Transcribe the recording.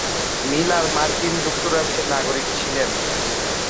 Miller মার্কিন যুক্তরাষ্ট্রের নাগরিক ছিলেন।